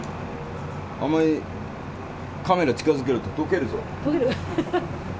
あんまりカメラ近づけると、溶けるぞ。